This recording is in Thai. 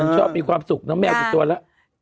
ชอบมีความสุขเนอะแมวกี่ตัวแล้ว